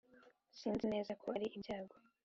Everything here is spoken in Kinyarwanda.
Sinzi neza ko ari ibyago